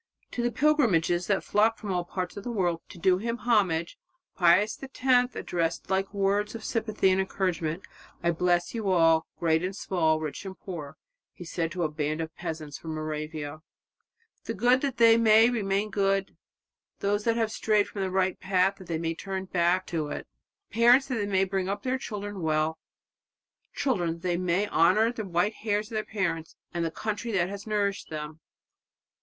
To the pilgrimages that flocked from all parts of the world to do him homage, Pius X addressed like words of sympathy and encouragement. "I bless you all, great and small, rich and poor," he said to a band of peasants from Moravia "the good that they may remain good; those who have strayed from the right path, that they may come back to it; parents that they may bring up their children well; children that they may honour the white hairs of their parents and the country that has nourished them."